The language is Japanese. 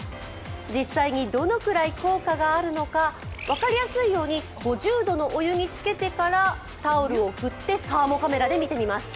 実際にどのくらい効果があるのか分かりやすいように５０度のお湯につけてからタオルを振ってサーモカメラで見てみます。